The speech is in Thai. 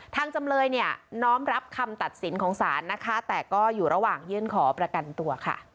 ทางจำเลยน้อมรับคำตัดสินของศาลแต่ก็อยู่ระหว่างยื่นขอประกันตัว